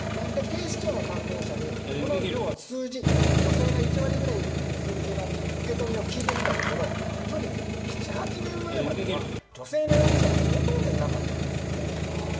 警視庁の担当者にこの数字女性が１割ぐらいいるという数字の受け止めを聞いてみたところやっぱり７８年前までは女性の容疑者はほとんどいなかったんですって。